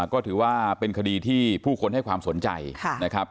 ก็ถือว่าเป็นคดีที่ผู้คนให้ความสนใจนะครับ